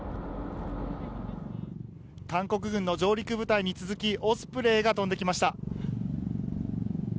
韓国軍の上陸部隊に続きオスプレイが飛んできました。